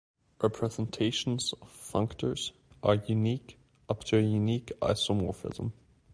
Representations of functors are unique up to a unique isomorphism.